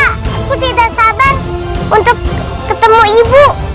aku tidak sabar untuk ketemu ibu